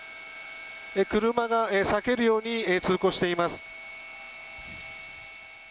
車が避けるように通行しています。